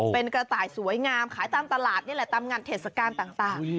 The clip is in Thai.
เป็นกระต่ายสวยงามขายตามตลาดนี่แหละตามงานเทศกาลต่าง